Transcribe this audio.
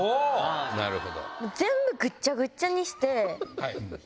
なるほど。